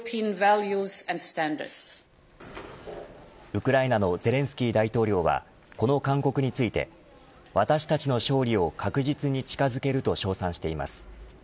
ウクライナのゼレンスキー大統領はこの勧告について私たちの勝利を確実に近づけると称賛しています。